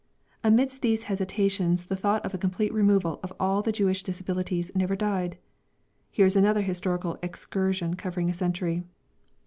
And amidst these hesitations the thought of a complete removal of all the Jewish disabilities never died. Here is another historical excursion covering a century.